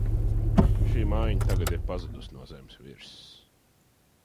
Šī mājiņa tagad ir pazudusi no zemes virsas.